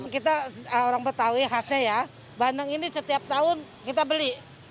kita orang betawi khasnya ya bandeng ini setiap tahun kita beli